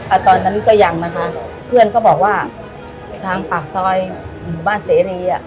ตอนนั้นก็ยังนะคะเพื่อนก็บอกว่าทางปากซอยหมู่บ้านเสรีอ่ะ